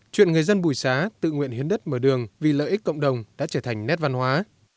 chuyện người dân bùi xá tự nguyện hiến đất mở đường vì lợi ích cộng đồng đã trở thành nét văn hóa